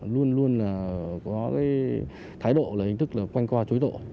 luôn luôn có cái thái độ là hình thức là quanh co chối độ